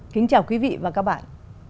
kính chào quý vị và các bạn